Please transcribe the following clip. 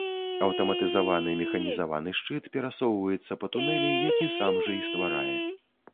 Аўтаматызаваны механізаваны шчыт перасоўваецца па тунэлі, які сам жа і стварае.